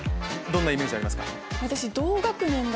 どんなイメージありますか？